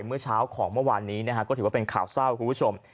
เมื่อเช้าของเมื่อวานนี้นะฮะก็ถือว่าเป็นข่าวเศร้าคุณผู้ชม